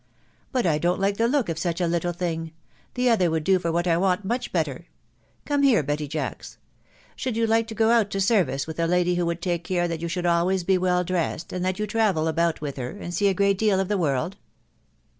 <: But I don't like the look of such a little thing. The other would do for what I want much better. Come here, Betty Jacks. Should you like to go out to service with a lady who would take care that you should always be well dressed, and let you travel about with her, and see a great deal of the world